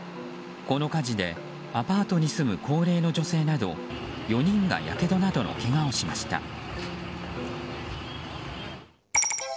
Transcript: この火事でアパートに住む高齢の女性など４人がやけどなどのけがをしました。